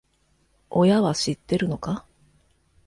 親は知ってるのか？